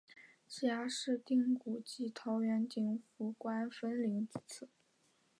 直辖市定古迹桃园景福宫分灵自此。